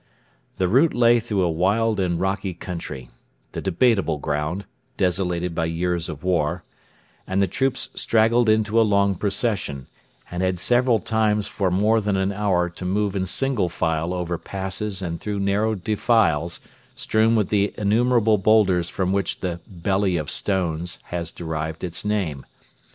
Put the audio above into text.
The route lay through a wild and rocky country the debatable ground, desolated by years of war and the troops straggled into a long procession, and had several times for more than an hour to move in single file over passes and through narrow defiles strewn with the innumerable boulders from which the 'Belly of Stones' has derived its name.